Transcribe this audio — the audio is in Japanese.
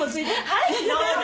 はいどうぞ。